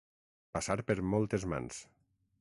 Passar per moltes mans.